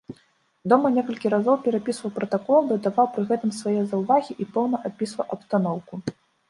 Дома некалькі разоў перапісваў пратакол, дадаваў пры гэтым свае заўвагі і поўна апісваў абстаноўку.